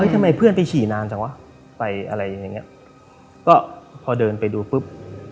ทำไมเพื่อนไปฉี่นานจังวะไปอะไรอย่างเงี้ยก็พอเดินไปดูปุ๊บ